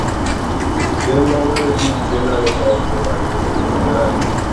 general Muhammad Ali Jinnah نے قوم کے بانیوں سے مشورہ لیا